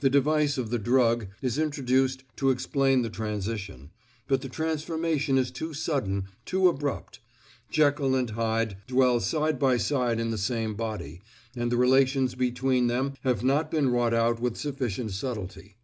The device of the drug is introduced to explain the transition; but the transformation is too sudden, too abrupt. Jekyll and Hyde dwell side by side in the same body, and the relations between them have not been wrought out with sufficient subtlety.